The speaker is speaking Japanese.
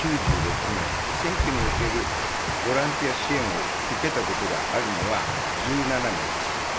選挙におけるボランティア支援を受けたことがあるのは１７名です。